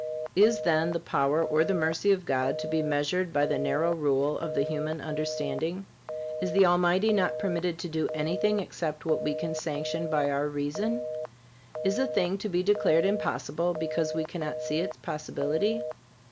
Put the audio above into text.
Is, then, the power or the mercy of God to be measured by the narrow rule of the human understanding? Is the Almighty not permitted to do anything except what we can sanction by our reason? Is a thing to be declared impossible because we cannot see its possibility?